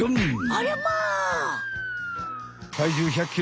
ありゃま！